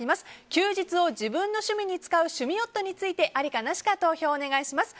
休日を自分の趣味に使う趣味夫についてありかなしか投票をお願いします。